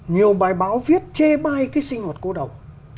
nhiều bài báo viết chê bai cái sinh hoạt cô đồng